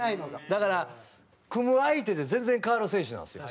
だから組む相手で全然変わる選手なんですよ。